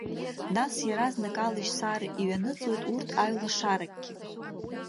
Нас иаразнак алашьцара иҩаныҵуеит, урҭ аҩлашаракгьы.